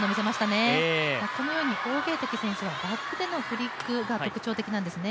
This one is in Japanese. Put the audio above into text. このように王ゲイ迪選手はバックでのフリックが特徴なんですね。